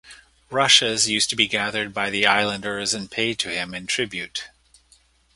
Rushes used to be gathered by the islanders and paid to him in tribute.